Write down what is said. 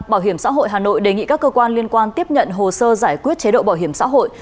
bảo hiểm xã hội hà nội đề nghị các cơ quan liên quan tiếp nhận hồ sơ giải quyết chế độ bảo hiểm xã hội